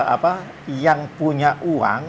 apa yang punya uang